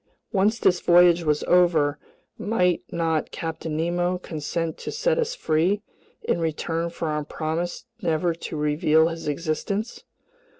Once this voyage was over, might not Captain Nemo consent to set us free in return for our promise never to reveal his existence?